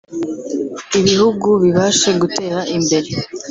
ibihugu bibashe gutera imbere